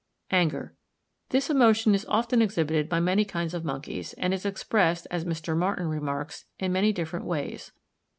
Anger.—This emotion is often exhibited by many kinds of monkeys, and is expressed, as Mr. Martin remarks, in many different ways.